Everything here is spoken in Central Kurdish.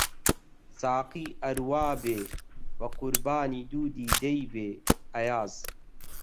ساقی ئەر وا بێ بە قوربانی دوو دیدەی بێ، ئەیاز